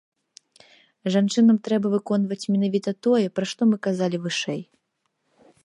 Жанчынам трэба выконваць менавіта тое, пра што мы казалі вышэй.